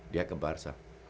dia ke barca